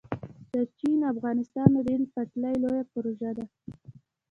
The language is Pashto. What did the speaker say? د چین - افغانستان ریل پټلۍ لویه پروژه ده